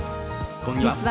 こんにちは。